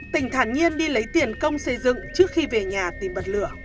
tỉnh thản nhiên đi lấy tiền công xây dựng trước khi về nhà tìm bật lửa